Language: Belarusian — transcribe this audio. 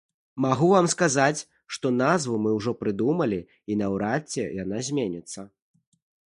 Магу вам сказаць, што назву мы ўжо прыдумалі і наўрад ці яна зменіцца.